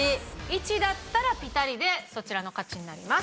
１だったらピタリでそちらの勝ちになります。